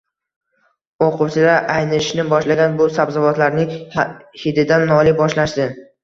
O‘quvchilar aynishni boshlagan bu sabzavotlarning hididan noliy boshlashdi